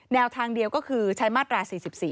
แนวทางเดียวก็คือใช้มาตรา๔๔